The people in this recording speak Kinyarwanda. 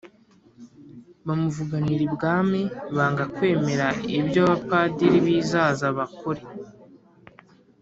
bamuvuganira Ibwami banga kwemera ibyo abapadiri b i Zaza bakore